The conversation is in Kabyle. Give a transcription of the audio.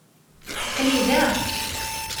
Aql-i da.